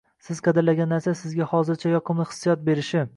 Siz qadrlagan narsa sizga hozircha yoqimli hissiyot berishi